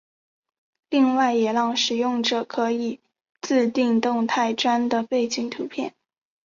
另外也让使用者可以自订动态砖的背景图片。